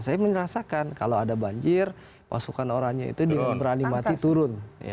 saya merasakan kalau ada banjir pasukan orangnya itu berani mati turun